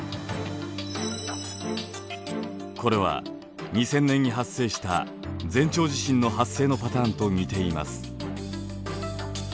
これは２０００年に発生した前兆地震の発生のパターンと似ています。